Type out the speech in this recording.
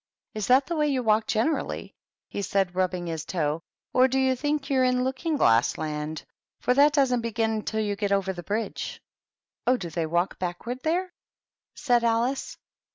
"Is that the way you walk generally?" he said, rubbing his toe, " or do you think you're in Looking glass Land? For that doesn't begin until you get over the bridge." "Oh, do they walk backward there?" said Alice.